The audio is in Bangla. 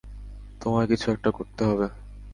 তোমায় কিছু একটা করতে হবে।